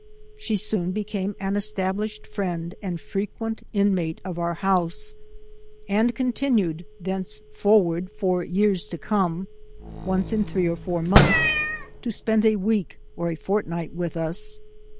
She soon became an established friend and frequent inmate of our house, and continued, thenceforward, for years to come, once in three or four months, to spend a week or a fortnight with us.